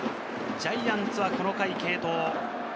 ジャイアンツはこの回、継投。